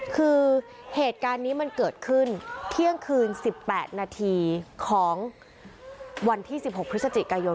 คือเหตุการณ์นี้มันเกิดขึ้นเที่ยงคืน๑๘นาทีของวันที่๑๖พฤศจิกายน